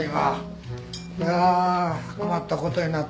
いや困ったことになったわいや。